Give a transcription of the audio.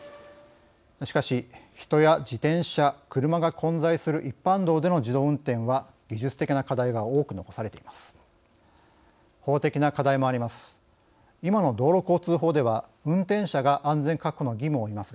しかし、人や自転車車が混在する一般道での自動運転は技術的な課題が多く残されています。